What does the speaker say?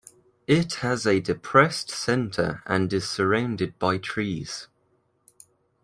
It has a depressed centre and is surrounded by trees.